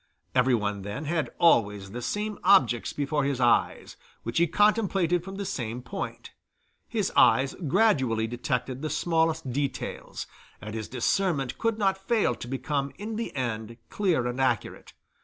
Everyone then had always the same objects before his eyes, which he contemplated from the same point; his eyes gradually detected the smallest details, and his discernment could not fail to become in the end clear and accurate.